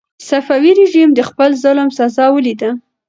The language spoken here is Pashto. صفوي رژیم د خپل ظلم سزا ولیده.